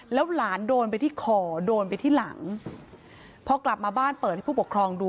แล้วหลานโดนไปที่คอโดนไปที่หลังพอกลับมาบ้านเปิดให้ผู้ปกครองดู